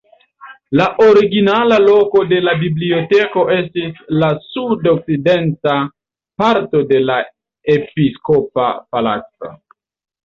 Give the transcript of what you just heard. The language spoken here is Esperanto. La originala loko de la biblioteko estis la sud-okcidenta parto de la episkopa palaco.